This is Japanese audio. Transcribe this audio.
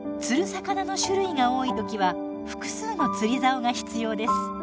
魚の種類が多い時は複数の釣りざおが必要です。